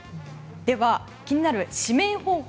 では、気になる指名方法。